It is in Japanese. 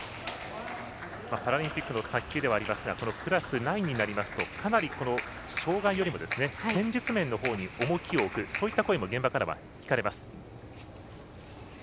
パラリンピックの卓球ではありますがクラス９になりますとかなり障がいよりも戦術面のほうに重きを置く、そういった声も現場からは聞かれます。